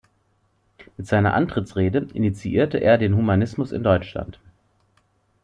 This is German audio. Mit seiner Antrittsrede initiierte er den Humanismus in Deutschland.